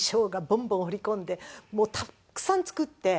ボンボン放り込んでもうたくさん作って。